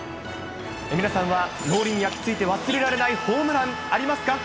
皆さんは脳裏に焼き付いて忘れられないホームラン、ありますか？